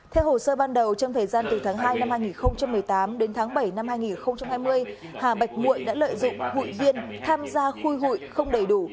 theo hồ sơ ban đầu trong thời gian từ tháng hai năm hai nghìn một mươi tám đến tháng bảy năm hai nghìn hai mươi hà bạch đã lợi dụng hụi viên tham gia khôi hụi không đầy đủ